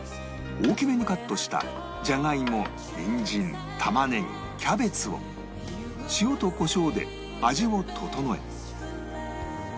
大きめにカットしたジャガイモニンジン玉ねぎキャベツを塩とコショウで味を調え